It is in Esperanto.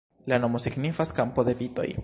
La nomo signifas "kampo de vitoj".